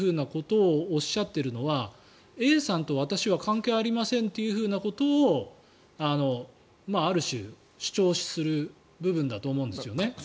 だから、刑事告訴するというふうなことをおっしゃっているのはＡさんと私は関係ありませんということをある種、主張する部分だと思うんですよね。